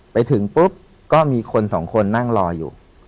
ไปถึงปุ๊บก็มีคนสองคนนั่งรออยู่